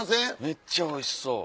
めっちゃおいしそう。